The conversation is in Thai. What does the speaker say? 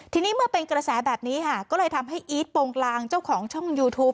ทีนี้เมื่อเป็นกระแสแบบนี้ค่ะก็เลยทำให้อีทโปรงกลางเจ้าของช่องยูทูป